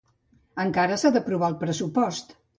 Encara s’ha d’aprovar el pressupost.